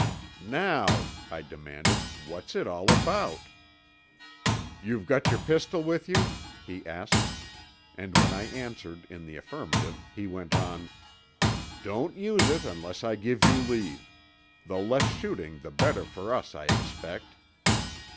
"Now," I demanded, "what's it all about?" "You've got your pistol with you?" he asked, and when I answered in the affirmative, he went on, "Don't use it unless I give you leave. The less shooting the better for us, I expect."